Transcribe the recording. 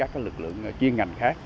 và các lực lượng chuyên ngành khác